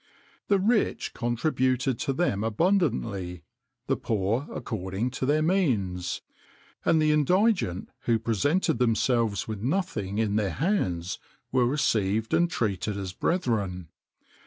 The rich contributed to them abundantly; the poor according to their means; and the indigent who presented themselves with nothing in their hands, were received and treated as brethren.